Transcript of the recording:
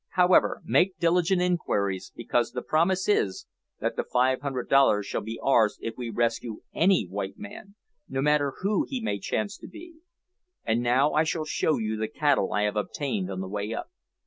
However, make diligent inquiries, because the promise is, that the five hundred dollars shall be ours if we rescue any white man, no matter who he may chance to be. And now I shall show you the cattle I have obtained on the way up."